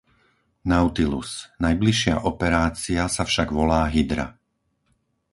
Nautilus. Najbližšia operácia sa však volá Hydra.